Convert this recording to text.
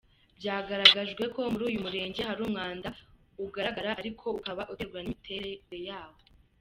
Byagaragajwe ko muri uyu Murenge hari umwanda ugaragara ariko ukaba uterwa n’imiterere yaho.